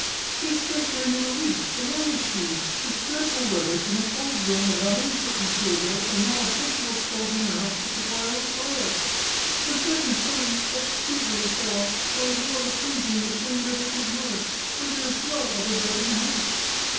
she hath scarce lain in a week, and there was she, this dreadful weather, in a cold room, without any curtains to her bed, and not a bushel of coals in her house to supply her with fire; her second son, that sweet little fellow, lies ill of a quinzy in the same bed with his mother; for there is no other bed in the house.